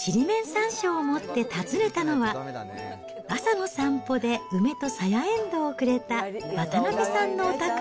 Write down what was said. さんしょうを持って訪ねたのは、朝の散歩で梅とさやえんどうをくれた渡辺さんのお宅。